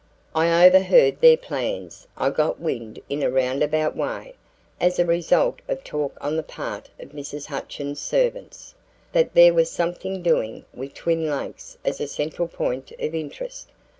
"I overheard their plans. I got wind in a roundabout way, as a result of talk on the part of Mrs. Hutchins' servants, that there was something doing, with Twin Lakes as a central point of interest.